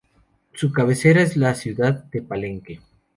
Su cabecera es la ciudad de Palenque.